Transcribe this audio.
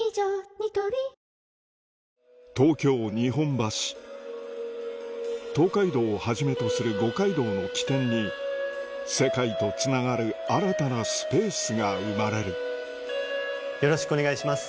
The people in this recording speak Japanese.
ニトリ東海道をはじめとする五街道の起点に世界とつながる新たなスペースが生まれるよろしくお願いします。